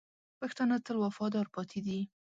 پښتانه تل وفادار پاتې دي.